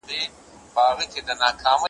ـ زه هم عادي یم، هر څه سم دي